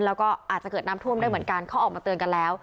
แล้วก็อาจจะเกิดน้ำท่วมได้เหมือนกันเขาออกมาเตือนกันแล้ว